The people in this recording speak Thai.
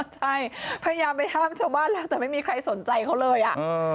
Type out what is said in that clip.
ใช่พยายามไปห้ามชาวบ้านแล้วแต่ไม่มีใครสนใจเขาเลยอ่ะ